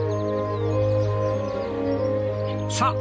さあ！